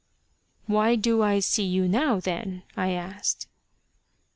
"Why do I see you now, then?" I asked.